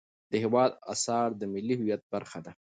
د هېواد اثار د ملي هویت برخه ده.